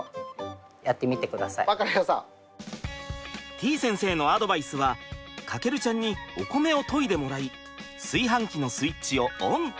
てぃ先生のアドバイスは翔ちゃんにお米をといでもらい炊飯器のスイッチをオン！